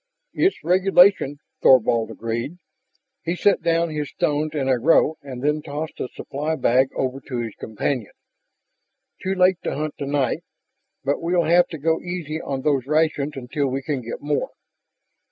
"It's regulation," Thorvald agreed. He set down his stones in a row and then tossed the supply bag over to his companion. "Too late to hunt tonight. But well have to go easy on those rations until we can get more."